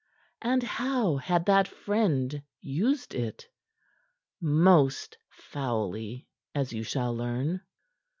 And how had that friend used it? Most foully, as you shall learn.